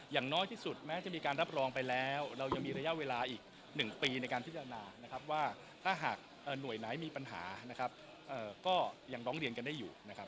อย่างน้อยที่สุดแม้จะมีการรับรองไปแล้วเรายังมีระยะเวลาอีก๑ปีในการพิจารณานะครับว่าถ้าหากหน่วยไหนมีปัญหานะครับก็ยังร้องเรียนกันได้อยู่นะครับ